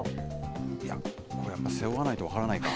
いや、これやっぱ背負わないと分からないか。